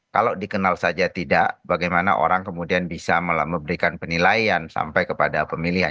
kalau dikenal saja tidak bagaimana orang kemudian bisa memberikan penilaian sampai kepada pemilihan